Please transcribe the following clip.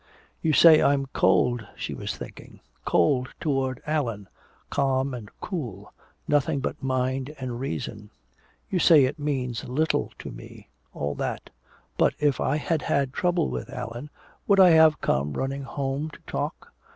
"You say I'm cold," she was thinking. "Cold toward Allan, calm and cool, nothing but mind and reason! You say it means little to me, all that! But if I had had trouble with Allan, would I have come running home to talk?